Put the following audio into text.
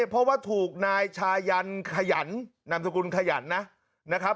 เพราะว่าถูกนายชายันขยันนามสกุลขยันนะครับ